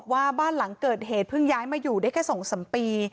บ้านหลังเกิดเหตุเพิ่งย้ายมาอยู่ได้แค่๒๓ปี